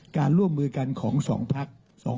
การร่วมมือกันของ๒พัก